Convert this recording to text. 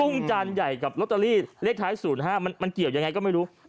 จานใหญ่กับลอตเตอรี่เลขท้าย๐๕มันเกี่ยวยังไงก็ไม่รู้